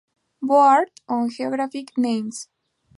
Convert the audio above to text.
Board on Geographic Names".